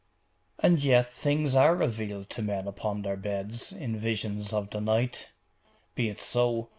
'And yet things are revealed to men upon their beds, in visions of the night.' 'Be it so.